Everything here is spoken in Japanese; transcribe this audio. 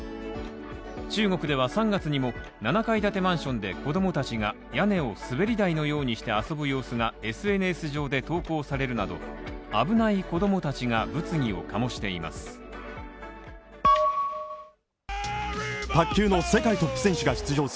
中国では３月にも７階建てマンションで子供たちが屋根を滑り台のようにして遊ぶ様子がＳＮＳ上で投稿されるなど、危ない子供たちが物議を醸しています。